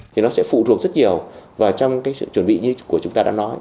thì nó sẽ phụ thuộc rất nhiều vào trong cái sự chuẩn bị như của chúng ta đã nói